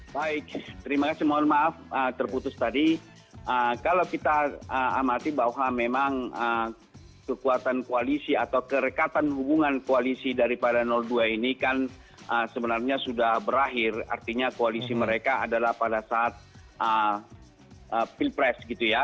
baik terima kasih mohon maaf terputus tadi kalau kita amati bahwa memang kekuatan koalisi atau kerekatan hubungan koalisi daripada dua ini kan sebenarnya sudah berakhir artinya koalisi mereka adalah pada saat pilpres gitu ya